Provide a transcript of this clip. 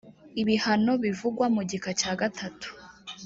ibihano bivugwa mu gika cya gatatu